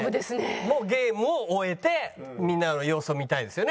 もうゲームを終えてみんなの様子を見たいですよね。